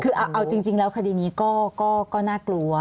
คือเอาจริงแล้วคดีนี้ก็น่ากลัว